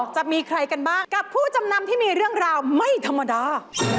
จะมีใครกันบ้างกับผู้จำนำที่มีเรื่องราวไม่ธรรมดา